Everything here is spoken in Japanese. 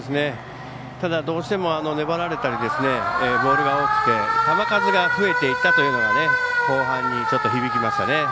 ただどうしても粘られたりボールが多くて球数が増えていたというのが後半にちょっと響きましたね。